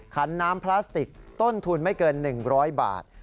ขันน้ำพลาสติกต้นทุนไม่เกิน๑๐๐บาท